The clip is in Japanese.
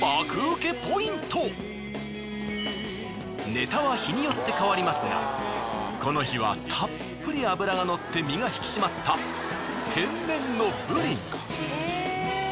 ネタは日によって変わりますがこの日はたっぷり脂がのって身が引き締まった天然のブリ。